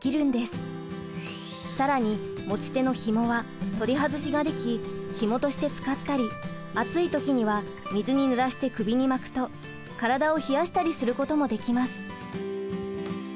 更に持ち手のひもは取り外しができひもとして使ったり暑い時には水にぬらして首に巻くと体を冷やしたりすることもできます。